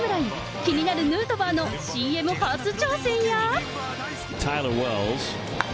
気になるヌートバーのＣＭ初挑戦や。